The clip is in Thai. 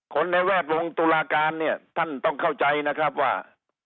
ในแวดวงตุลาการเนี่ยท่านต้องเข้าใจนะครับว่า